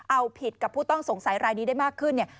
เอาผิดกับผู้ต้องสงสัยรายนี้ได้มากขึ้นเนี่ย